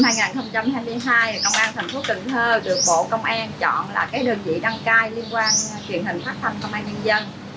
năm hai nghìn hai mươi hai công an thành phố cần thơ được bộ công an chọn là đơn vị đăng cai liên quan truyền hình phát thanh công an nhân dân